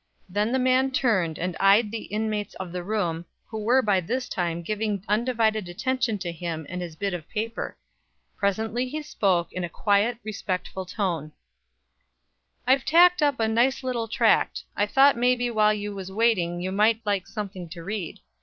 Then the man turned and eyed the inmates of the room, who were by this time giving undivided attention to him and his bit of paper Presently he spoke, in a quiet, respectful tone: "I've tacked up a nice little tract. I thought maybe while you was waiting you might like something to read.